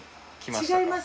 違います。